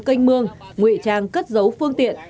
kênh mương nguyện trang cất dấu phương tiện